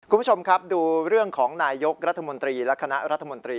คุณผู้ชมครับดูเรื่องของนายยกรัฐมนตรีและคณะรัฐมนตรี